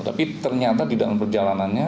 tapi ternyata di dalam perjalanannya